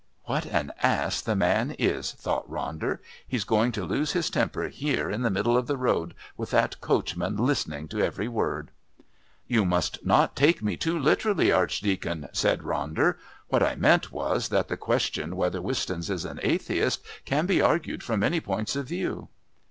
("What an ass the man is!" thought Ronder. "He's going to lose his temper here in the middle of the road with that coachman listening to every word.") "You must not take me too literally, Archdeacon," said Ronder. "What I meant was that the question whether Wistons is an atheist can be argued from many points of view."